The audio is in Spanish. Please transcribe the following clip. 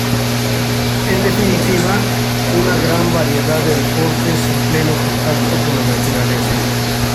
En definitiva, una gran variedad de deportes en pleno contacto con la naturaleza.